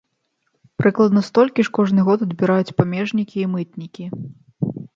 Прыкладна столькі ж кожны год адбіраюць памежнікі і мытнікі.